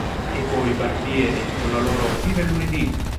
E poi Barbieri con la loro "W il lunedì!